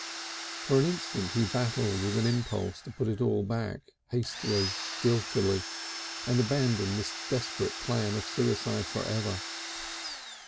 For an instant he battled with an impulse to put it all back, hastily, guiltily, and abandon this desperate plan of suicide for ever.